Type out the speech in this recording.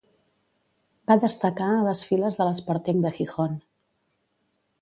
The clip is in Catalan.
Va destacar a les files de l'Sporting de Gijón.